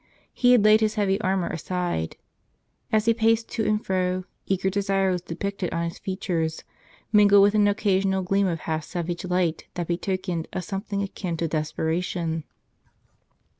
He had laid his heavy armor aside. As he paced to and fro, eager desire was depicted on his features, mingled with an occasional gleam of half savage light that betokened a something akin to des¬ peration.